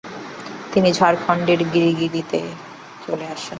তিনি ঝাড়খণ্ডের গিরিডিতে চলে আসেন।